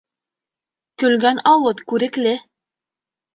Көлгән ауыҙ күрекле.